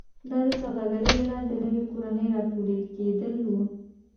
دا د سوداګرۍ له لارې د نویو کورنیو راټوکېدل و